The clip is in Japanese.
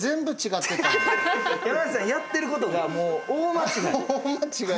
山内さんやってることがもう大間違い。